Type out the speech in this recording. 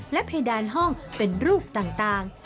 เพดานห้องเป็นรูปต่าง